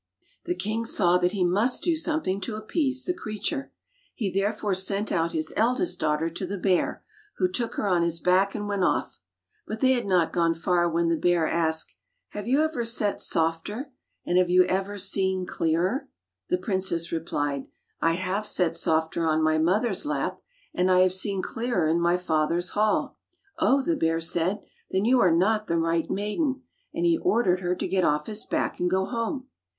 The king saw that he must do something to appease the creature. He therefore sent out his eldest daughter to the bear, who took her on his back and went off. But they had not gone far when the bear asked, "Have you ever sat softer, and have you ever seen clearer.^" The princess replied, "I have sat softer on my mother's lap, and I have seen clearer in my father's hall." "Oh!" the bear said, "then you are not the right maiden"; and he ordered her to get off his back and go home.